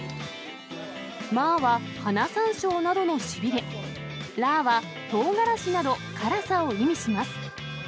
マーは花さんしょうなどのしびれ、ラーはとうがらしなど辛さを意味します。